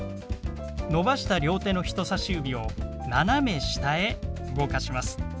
伸ばした両手の人さし指を斜め下へ動かします。